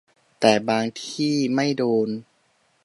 แต่บางที่ไม่โดน